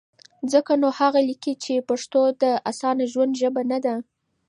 ځکه نو هغه لیکي، چې پښتو د اسانه ژوند ژبه نه ده؛